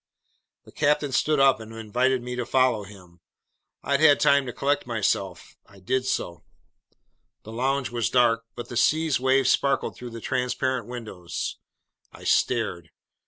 The captain stood up and invited me to follow him. I'd had time to collect myself. I did so. The lounge was dark, but the sea's waves sparkled through the transparent windows. I stared.